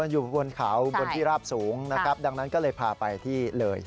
อยู่บนเขาบนที่ราบสูงนะครับดังนั้นก็เลยพาไปที่เลย